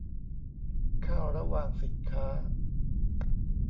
ค่าระวางสินค้า